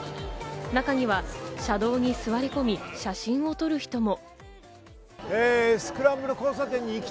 中には車道に座り込み、写真を撮る人も。